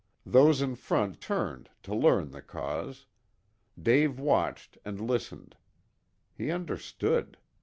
Those in front turned to learn the cause. Dave watched and listened. He understood.